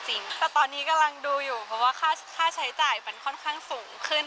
แต่ตอนนี้กำลังดูอยู่เพราะว่าค่าใช้จ่ายมันค่อนข้างสูงขึ้น